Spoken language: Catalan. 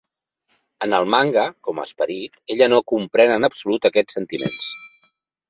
En el manga, com a esperit, ella no comprèn en absolut aquests sentiments